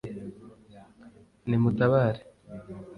ni mutabare